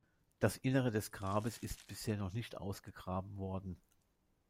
Das Innere des Grabes ist bisher noch nicht ausgegraben worden.